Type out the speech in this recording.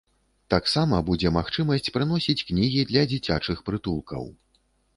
Таксама будзе магчымасць прыносіць кнігі для дзіцячых прытулкаў.